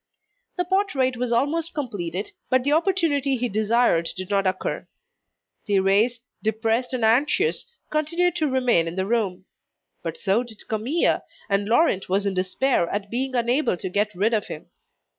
The portrait was almost completed, but the opportunity he desired did not occur. Thérèse, depressed and anxious, continued to remain in the room. But so did Camille, and Laurent was in despair at being unable to get rid of him.